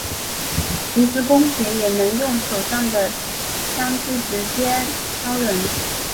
平时公爵也能用手上的枪枝直接敲人。